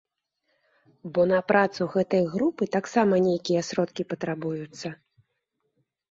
Бо на працу гэтай групы таксама нейкія сродкі патрабуюцца.